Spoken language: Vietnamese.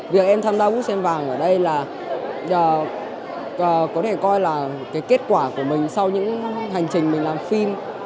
việc em tham gia út sen vàng ở đây là có thể coi là cái kết quả của mình sau những hành trình mình làm phim